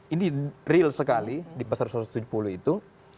ini real sekali di pasar satu ratus tujuh puluh itu